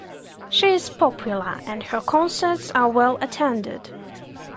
She is popular and her concerts are well attended.